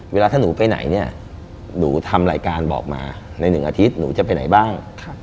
เวลาถ้าหนูไปไหนเนี่ยหนูทำรายการบอกมาใน๑อาทิตย์หนูจะไปไหนบ้าง